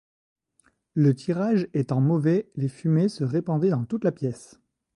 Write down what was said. Le tirage étant mauvais, les fumées se répandaient dans toute la pièce.